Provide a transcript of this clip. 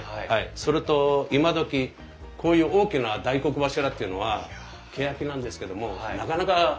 それと今どきこういう大きな大黒柱っていうのはけやきなんですけどもなかなかないんですね。